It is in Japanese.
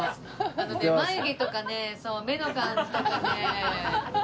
あのね眉毛とかね目の感じとかね。